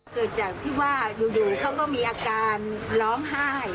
คือจากที่ว่าดูเขาก็มีอาการร้องไห้